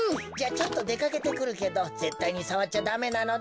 ちょっとでかけてくるけどぜったいにさわっちゃダメなのだ。